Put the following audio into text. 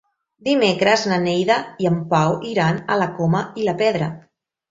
Dimecres na Neida i en Pau iran a la Coma i la Pedra.